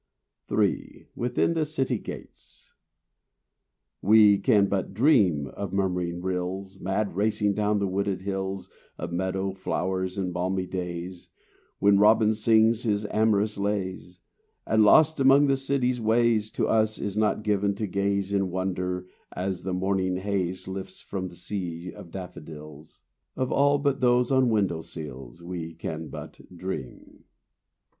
III—Within the City Gates We can but dream of murmuring rills Mad racing down the wooded hills, Of meadow flowers and balmy days When robin sings his amorous lays; And lost among the city's ways, To us it is not given to gaze In wonder as the morning haze Lifts from the sea of daffodils,— Of all but those on window sills We can but dream.